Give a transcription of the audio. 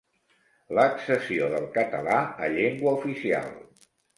L'accessió del català a llengua oficial.